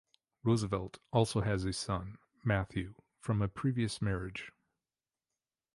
Roosevelt also has a son, Matthew, from a previous marriage.